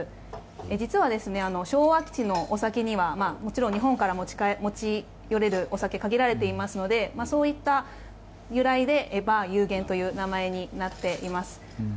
実は、昭和基地のお酒にはもちろん日本から持ち寄れるお酒は限られていますのでそういった由来で「バー有限」という名前になっています。